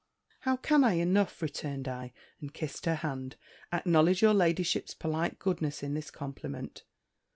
"How can I enough," returned I, and kissed her hand, "acknowledge your ladyship's polite goodness in this compliment?